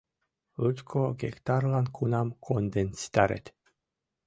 Лучко гектарлан кунам конден ситарет.